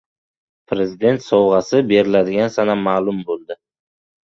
«Prezident sovg‘asi» beriladigan sana ma’lum bo‘ldi